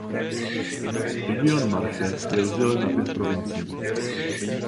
Region Marche je rozdělen na pět provincií.